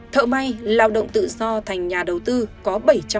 thợ may lao động tự do thành nhà đầu tư có bảy trăm năm mươi